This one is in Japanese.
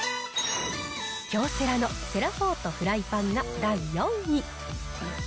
京セラのセラフォートフライパンが第４位。